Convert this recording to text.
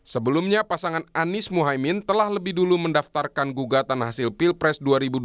sebelumnya pasangan anies mohaimin telah lebih dulu mendaftarkan gugatan hasil pilpres dua ribu dua puluh